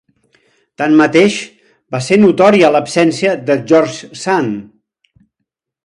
Tanmateix, va ser notòria l'absència de George Sand.